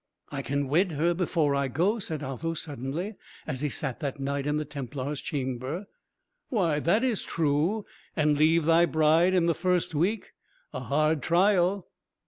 "I can wed her before I go," said Otho, suddenly, as he sat that night in the Templar's chamber. "Why, that is true! and leave thy bride in the first week a hard trial!"